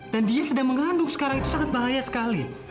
dan dia sedang mengandung sekarang itu sangat bahaya sekali